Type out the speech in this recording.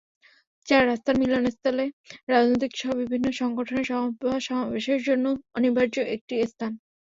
চার রাস্তার মিলনস্থলে রাজনৈতিকসহ বিভিন্ন সংগঠনের সভা-সমাবেশের জন্য অনিবার্য একটি স্থান।